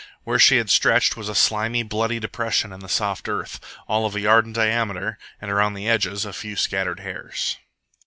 Where she had stretched was a slimy, bloody depression in the soft earth, all of a yard in diameter, and around the edges a few scattered hairs."